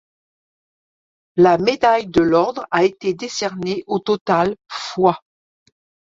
La médaille de l'ordre a été décernée au total fois.